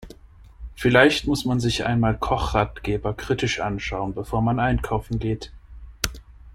Vielleicht muss man sich einmal Kochratgeber kritisch anschauen, bevor man einkaufen geht.